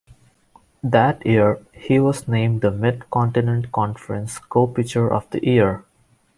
That year, he was named the Mid-Continent Conference co-Pitcher of the Year.